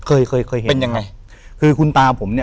เป็นยังไงคือคุณตาผมเนี่ย